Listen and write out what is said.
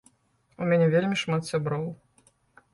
У мяне вельмі шмат сяброў.